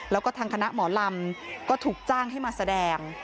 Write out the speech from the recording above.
แล้วก็ทางคณะหมอลำก็ถูกจ้างให้มาแสดง